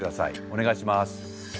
お願いします。